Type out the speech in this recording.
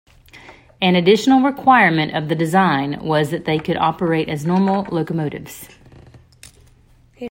An additional requirement of the design was that they could operate as normal locomotives.